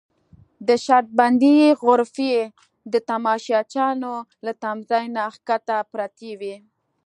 د شرط بندۍ غرفې د تماشچیانو له تمځای نه کښته پرتې وې.